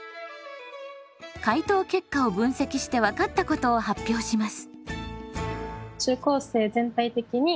回答結果を分析して分かったことを発表します。